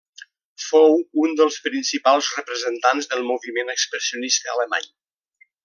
Fou un dels principals representants del moviment expressionista alemany.